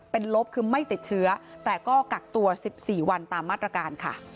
เป็นลบคือไม่ติดเชื้อแต่ก็กักตัว๑๔วันตามมาตรการค่ะ